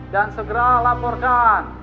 dan segera laporkan